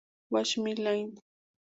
What's My Line?